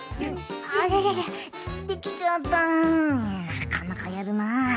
なかなかやるな。